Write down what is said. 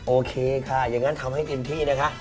โอเคค่ะอย่างนั้นทำให้เต็มที่นะคะ